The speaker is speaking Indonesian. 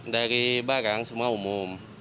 dari barang semua umum